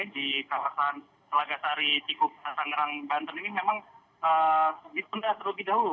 di kawasan telagasari cikup sanggerang banten ini memang lebih pendah terlebih dahulu